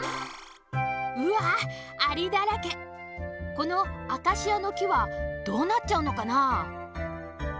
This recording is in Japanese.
このアカシアのきはどうなっちゃうのかなあ？